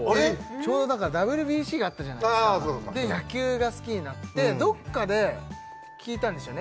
ちょうど何かＷＢＣがあったじゃないですかああで野球が好きになってどっかで聞いたんでしょうね